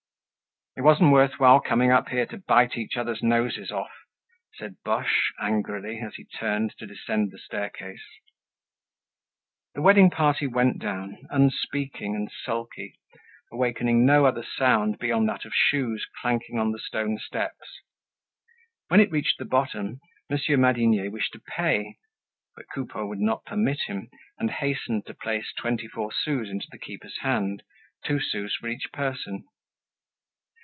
"It wasn't worth while coming up here to bite each other's noses off," said Boche, angrily as he turned to descend the staircase. The wedding party went down, unspeaking and sulky, awakening no other sound beyond that of shoes clanking on the stone steps. When it reached the bottom, Monsieur Madinier wished to pay; but Coupeau would not permit him, and hastened to place twenty four sous into the keeper's hand, two sous for each person.